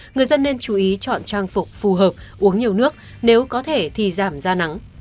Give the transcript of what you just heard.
người dân nên chú ý chọn trang phục phù hợp uống nhiều nước nếu có thể thì giảm ra nắng